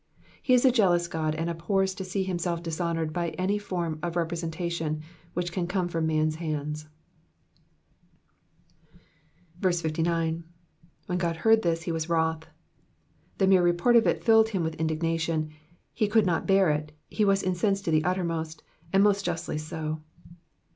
Ho is a jealous God, and abhors to see himself dishonoured by any form of representation which can come from maa^s hands. Digitized by VjOOQIC PSALM THE SEVENTY EIGHTH. 449 69. ^^When Qod heard this, Tie was toroth.'^^ The mere report of it filled him with indignatioa ; he could not bear it, he was incensed to the uttermost, and most justly so.